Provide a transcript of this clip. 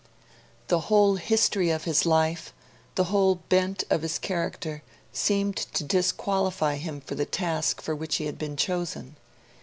The whole history of his life, the whole bent of his character, seemed to disqualify him for the task for which he had been chosen.